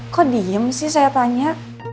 kok diem sih saya tanya